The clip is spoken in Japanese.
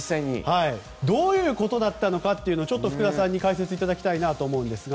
どういうことだったのかを福田さんに解説していただきたいなと思うんですが。